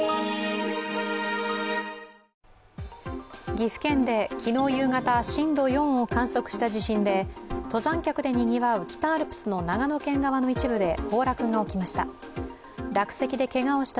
岐阜県で昨日夕方震度４を観測した地震で登山客でにぎわう北アルプスの長野県側の一部で崩落が起きました。